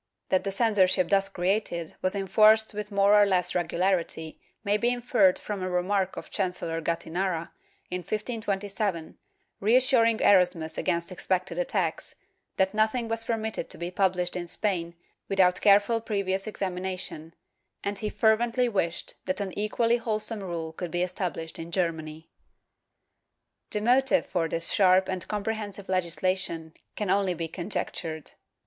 ^ That the censorship thus created was enforced with more or less regularity may be inferred from a remark of Chancellor Gattinara, in 1527, reassuring Erasmus against expected attacks — that noth ing was permitted to be published in Spain without careful previous examination, and he fervently wished that an equally wholesome rule could be established in Germany.^ The motive for this sharp and comprehensive legislation can only be conjectured.